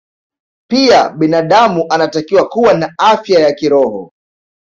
Pia binadamu anatakiwa kuwa na afya ya kiroho